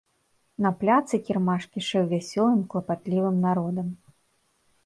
На пляцы кірмаш кішэў вясёлым, клапатлівым народам.